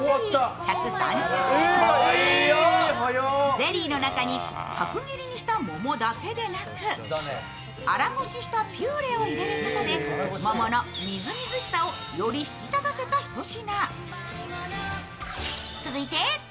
ゼリーの中に角切りにした桃だけでなく粗ごししたピューレを入れることで、桃のみずみずしさをより引き立たせた一品。